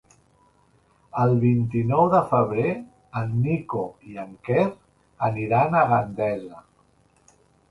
El vint-i-nou de febrer en Nico i en Quer aniran a Gandesa.